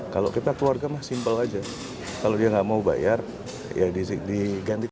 kalau kita keluarga mah simpel aja kalau dia nggak mau bayar ya diganti